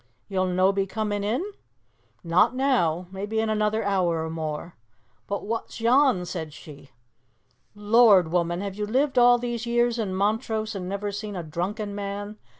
"You'll no be coming in?" "Not now. Maybe in another hour or more." "But wha's yon?" said she. "Lord! woman, have you lived all these years in Montrose and never seen a drunken man?"